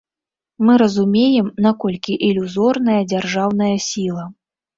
Мы разумеем, наколькі ілюзорная дзяржаўная сіла.